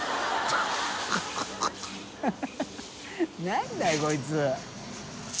何だよこいつ。